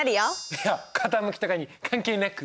いや傾きとかに関係なく？